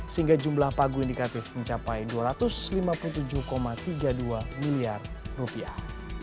sehingga jumlah pagu indikatif mencapai dua ratus lima puluh tujuh tiga puluh dua miliar rupiah